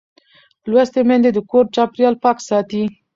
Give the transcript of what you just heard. لوستې میندې د کور چاپېریال پاک ساتي.